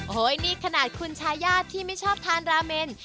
โอ้โหนี่ขนาดคุณชายาที่ไม่ชอบทานราเมน